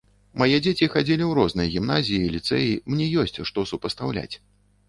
Мае дзеці хадзілі ў розныя гімназіі, ліцэі, мне ёсць што супастаўляць.